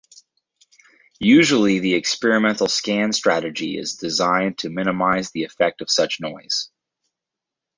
Usually the experimental scan strategy is designed to minimize the effect of such noise.